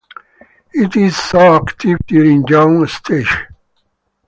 It is so active during young stages.